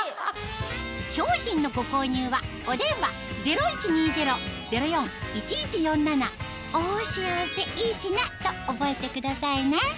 商品のご購入はお電話０１２０−０４−１１４７と覚えてくださいね